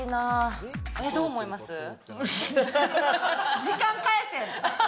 時間返せ！